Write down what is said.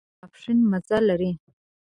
خوړل د ماسپښين مزه لري